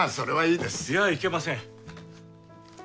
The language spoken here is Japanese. いやいけません。